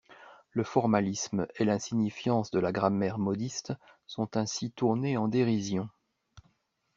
Le formalisme et l'insignifiance de la grammaire modiste sont ainsi tournés en dérision.